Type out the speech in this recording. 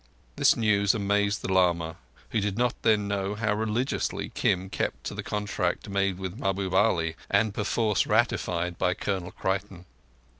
This news amazed the lama, who did not then know how religiously Kim kept to the contract made with Mahbub Ali, and perforce ratified by Colonel Creighton...